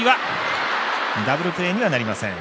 ダブルプレーにはなりません。